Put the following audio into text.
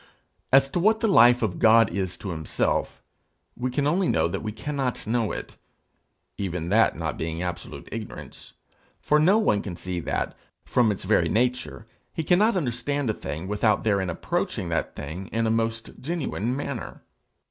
As to what the life of God is to himself, we can only know that we cannot know it even that not being absolute ignorance, for no one can see that, from its very nature, he cannot understand a thing without therein approaching that thing in a most genuine manner.